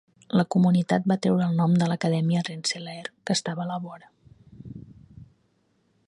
La comunitat va treure el nom de l'Acadèmia Rensselaer, que estava a la vora.